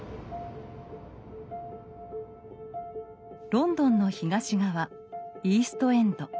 ロンドンの東側イースト・エンド。